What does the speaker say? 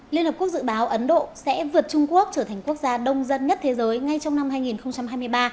liên hợp quốc dự báo ấn độ sẽ vượt trung quốc trở thành quốc gia đông dân nhất thế giới ngay trong năm hai nghìn hai mươi ba